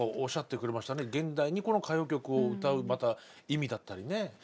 現代にこの歌謡曲を歌うまた意味だったりね